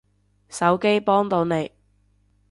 手機幫到你